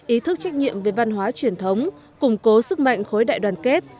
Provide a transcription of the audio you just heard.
ý thức trách nhiệm về văn hóa truyền thống củng cố sức mạnh khối đại đoàn kết